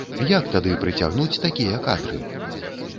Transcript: Як тады прыцягнуць такія кадры?